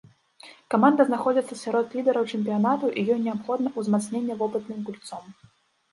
Каманда знаходзіцца сярод лідараў чэмпіянату і ёй неабходна ўзмацненне вопытным гульцом.